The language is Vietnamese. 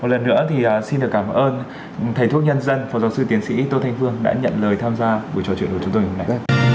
một lần nữa thì xin được cảm ơn thầy thuốc nhân dân phó giáo sư tiến sĩ tô thanh phương đã nhận lời tham gia buổi trò chuyện của chúng tôi ngày hôm nay